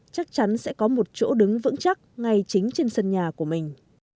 chắc chắn sẽ có một chỗ đứng vững chắc ngay chính trên sân nhà của mình